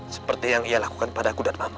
seperti yang ia lakukan aku dan mamy